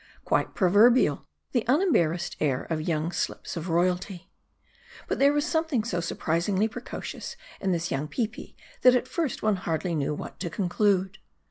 Quite proverbial, the unembarrassed air of young slips of royalty. But there was something so surprisingly preco cious in this young Peepi, that at first one hardly knew what to conclude.